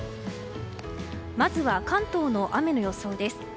まずは関東の雨の予想です。